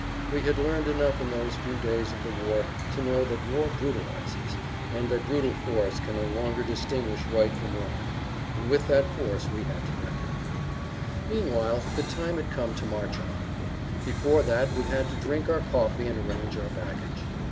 We had learned enough in those few days of the war to know that war brutalizes and that brutal force can no longer distinguish right from wrong; and with that force we had to reckon. [Pg 33]Meanwhile the time had come to march on. Before that we had to drink our coffee and arrange our baggage.